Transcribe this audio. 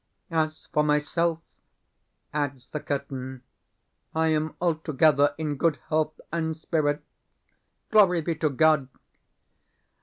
"As for myself," adds the curtain, "I am altogether in good health and spirits, glory be to God!"